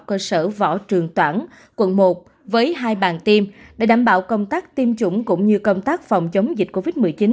cơ sở võ trường toản quận một với hai bàn tiêm để đảm bảo công tác tiêm chủng cũng như công tác phòng chống dịch covid một mươi chín